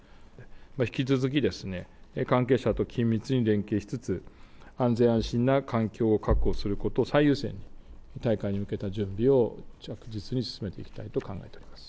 引き続きですね、関係者と緊密に連携しつつ、安全・安心な環境を確保することを最優先に、大会に向けた準備を着実に進めていきたいと考えております。